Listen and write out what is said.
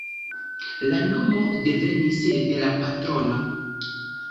La nomo devenis de la patrono.